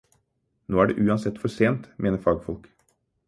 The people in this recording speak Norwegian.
Nå er det uansett for sent, mener fagfolk.